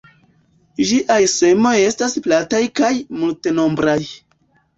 Ĝiaj semoj estas plataj kaj multnombraj.